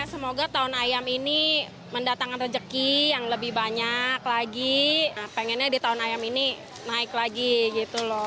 semoga tahun ayam ini mendatangkan rezeki yang lebih banyak lagi pengennya di tahun ayam ini naik lagi gitu loh